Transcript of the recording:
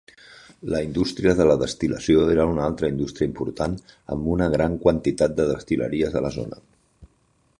La indústria de la destil·lació era una altra indústria important amb una gran quantitat de destil·leries a la zona.